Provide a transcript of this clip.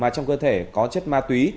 trong cơ thể có chất ma túy